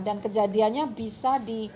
dan kejadiannya bisa dikira